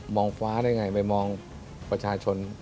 ฟ้าได้ไงไปมองประชาชน